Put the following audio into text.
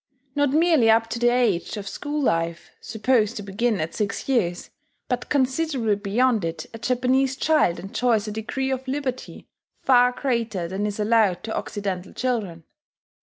Not merely up to the age of school life, supposed to begin at six years, but considerably beyond it, a Japanese child enjoys a degree of liberty far greater than is allowed to Occidental children.